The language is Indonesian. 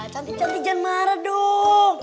cantik cantik jangan marah dong